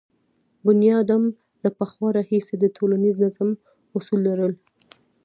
بنیادم له پخوا راهیسې د ټولنیز نظم اصول لرل.